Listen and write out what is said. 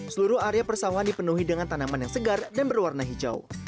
seluruh area persawahan dipenuhi dengan tanaman yang segar dan berwarna hijau